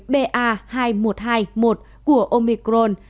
ba hai nghìn một trăm hai mươi một của omicron